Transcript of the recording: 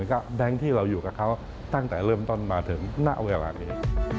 ก็แบงค์ที่เราอยู่กับเขาตั้งแต่เริ่มต้นมาถึงณเวลานี้